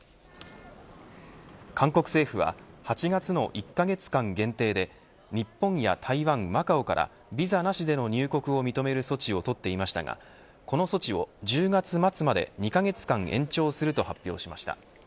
韓国政府は８月の１カ月間限定で日本や台湾、マカオからビザなしでの入国を認める措置を取っていましたがこの措置を１０月末まで２カ月間延長すると発表しました。